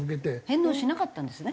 返納しなかったんですね？